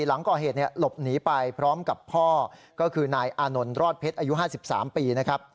หลังก่อเหตุหลบหนีไปพร้อมกับพ่อก็คือนายอานนท์รอดเพชรอายุ๕๓ปีนะครับ